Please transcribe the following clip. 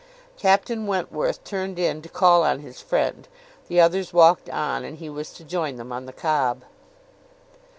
Captain Wentworth turned in to call on his friend; the others walked on, and he was to join them on the Cobb.